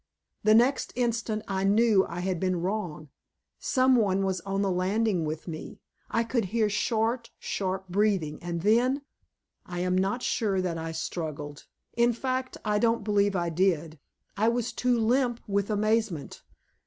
The next instant I knew I had been wrong; some one was on the landing with me. I could hear short, sharp breathing, and then I am not sure that I struggled; in fact, I don't believe I did I was too limp with amazement.